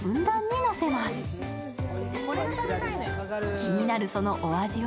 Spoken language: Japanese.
気になるそのお味は？